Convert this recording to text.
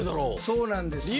そうなんですよ。